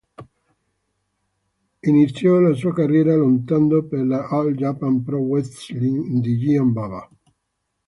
Iniziò la sua carriera lottando per la All Japan Pro Wrestling di Giant Baba.